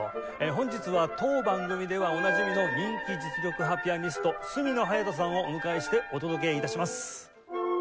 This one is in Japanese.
本日は当番組ではおなじみの人気実力派ピアニスト角野隼斗さんをお迎えしてお届け致します。